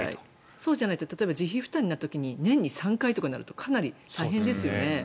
そうじゃないと自費負担になった時に年に３回とかとなるとかなり大変ですよね。